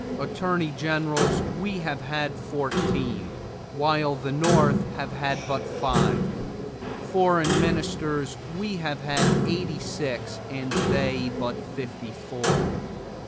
Attorney generals we have had fourteen, while the North have had but five. Foreign ministers we have had eighty six and they but fifty four.